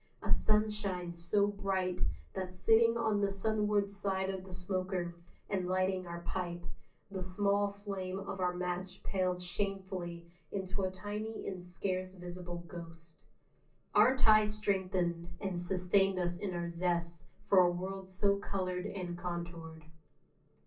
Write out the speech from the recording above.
(A sunshine so bright that sitting on the sunward side of the smoker and lighting our pipe, the small flame of our match paled shamefully into a tiny and scarce visible ghost.) Our tie strengthened and sustained us in our zest for a world so coloured and contoured.